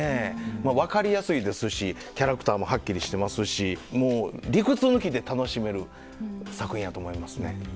まあ分かりやすいですしキャラクターもはっきりしてますしもう理屈抜きで楽しめる作品やと思いますね。